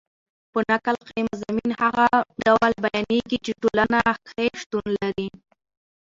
په نکل کښي مضامین هغه ډول بیانېږي، چي ټولنه کښي شتون لري.